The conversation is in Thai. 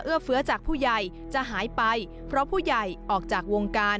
เฟื้อจากผู้ใหญ่จะหายไปเพราะผู้ใหญ่ออกจากวงการ